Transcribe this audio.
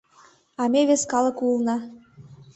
А ме вес калык улына.